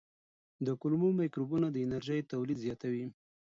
د کولمو مایکروبونه د انرژۍ تولید زیاتوي.